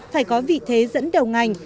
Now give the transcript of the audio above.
phải có vị thế dẫn đầu ngành